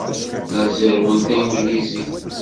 La zerrwen tanglizit.